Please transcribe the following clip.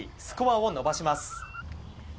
スコアを伸ばします。